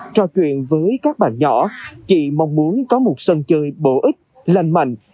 trò chuyện với các bạn nhỏ chị mong muốn có một sân chơi bổ ích lành mạnh